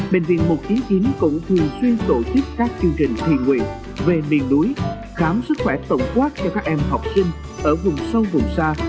bệnh viện một trăm chín mươi chín cũng thường xuyên tổ chức các chương trình thiện nguyện về miền núi khám sức khỏe tổng quát cho các em học sinh ở vùng sâu vùng xa